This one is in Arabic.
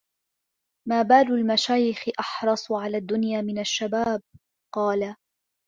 مَا بَالُ الْمَشَايِخِ أَحْرِصُ عَلَى الدُّنْيَا مِنْ الشَّبَابِ ؟ قَالَ